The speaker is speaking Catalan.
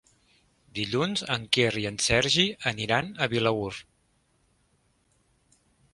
Dilluns en Quer i en Sergi aniran a Vilaür.